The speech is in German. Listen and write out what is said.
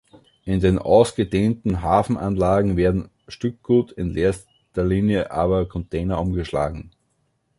In den ausgedehnten Hafenanlagen werden Stückgut, in erster Linie aber Container umgeschlagen.